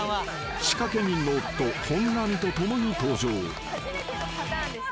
［仕掛け人の夫本並と共に登場］